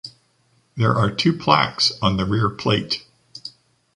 There are two plaques on the rear plate.